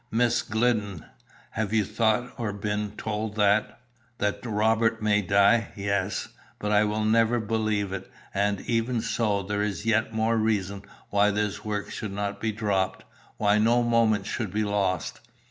"Miss Glidden, have you thought or been told that " "That Robert may die? Yes. But I will never believe it. And, even so, there is yet more reason why this work should not be dropped, why no moment should be lost."